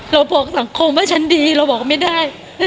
เราบอกสังคมว่าฉันดีเราบอกไม่ได้